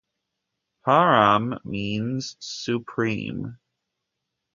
'Param' means 'Supreme'.